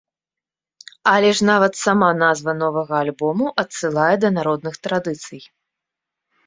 Але ж нават сама назва новага альбому адсылае да народных традыцый.